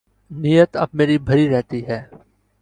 نیت اب میری بھری رہتی ہے